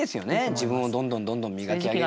自分をどんどんどんどん磨き上げるね。